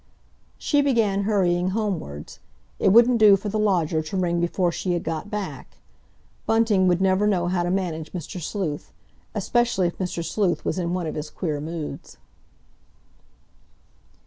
She began hurrying homewards; it wouldn't do for the lodger to ring before she had got back. Bunting would never know how to manage Mr. Sleuth, especially if Mr. Sleuth was in one of his queer moods.